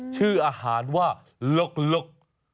ชื่ออาหารว่าลก